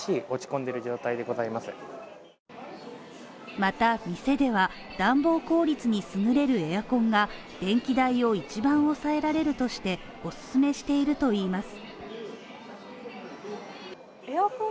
また、店では暖房効率に優れるエアコンが電気代を一番抑えられるとしておすすめしているといいます。